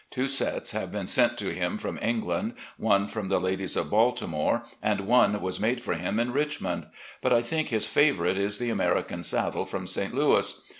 Two sets have been sent to him from England, one from the ladies of Balti more, and one was made for him in Richmond; but I think his favourite is the American saddle from St. Louis.